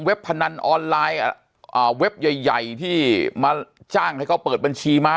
พนันออนไลน์เว็บใหญ่ที่มาจ้างให้เขาเปิดบัญชีม้า